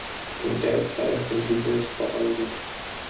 Und derzeit sind diese nicht vorhanden.